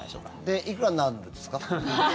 でいくらになるんですか？